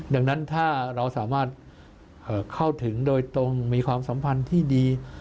ดังนั้นถ้าเราสามารถเข้าถึงโดยตรงมีความสัมพันธ์ที่ดี